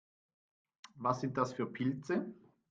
Was sind das für Pilze?